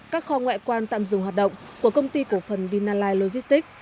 các kho ngoại quan tạm dừng hoạt động của công ty cổ phần vinalai logistics